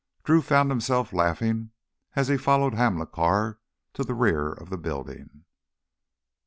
Drew found himself laughing as he followed Hamilcar to the rear of the building.